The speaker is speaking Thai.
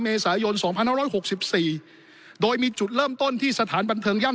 เมษายนสองพันห้าร้อยหกสิบสี่โดยมีจุดเริ่มต้นที่สถานบันเทิงย่ำ